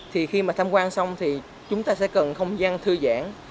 thì khi mà tham quan xong thì chúng ta sẽ cần không gian thư giãn